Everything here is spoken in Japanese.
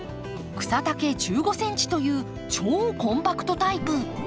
草丈１５ｃｍという超コンパクトタイプ。